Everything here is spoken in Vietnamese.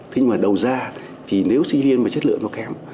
thế mà đầu ra thì nếu sinh viên mà chất lượng nó kém